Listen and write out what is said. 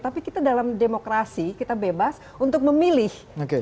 tapi kita dalam demokrasi kita bebas untuk memilih